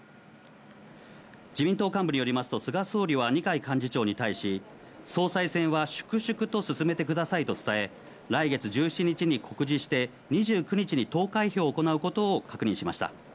自民党幹部によりますと、菅総理は二階幹事長に対し、総裁選は粛々と進めてくださいと伝え、来月１７日に告示して、２９日に投開票を行うことを確認しました。